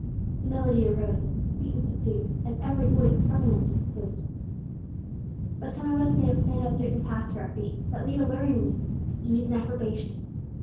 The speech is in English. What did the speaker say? "] The melody arose, sweet and subdued, as every voice covenanted with his. "But some of us may have planned out certain paths for our own feet, that lead alluringly to ease and approbation.